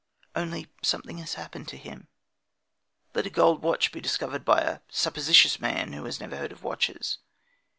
Only something has happened to him. Let a gold watch be discovered by a supposititious man who has never heard of watches.